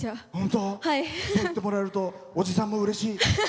そう言ってもらえるとおじさんもうれしい。